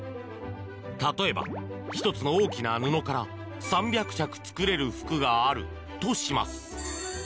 例えば、１つの大きな布から３００着作れる服があるとします。